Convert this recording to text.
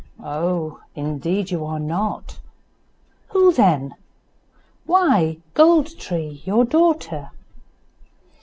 "Oh! indeed you are not." "Who then?" "Why, Gold tree, your daughter."